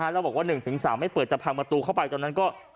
แล้วบอกว่า๑๓ไม่เปิดจะพังประตูเข้าไปตอนนั้นก็